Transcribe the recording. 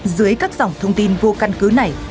dưới các dòng thông tin vô căn cứ này